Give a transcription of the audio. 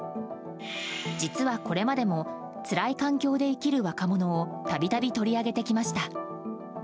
実は、これまでもつらい環境で生きる若者を度々取り上げてきました。